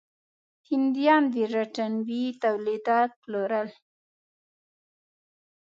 هندیان برېټانوي تولیدات پلورل.